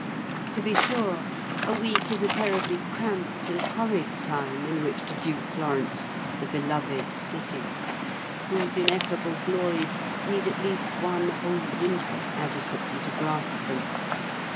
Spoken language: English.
To be sure, a week is a terribly cramped and hurried time in which to view Florence, the beloved city, whose ineffable glories need at least one whole winter adequately to grasp them.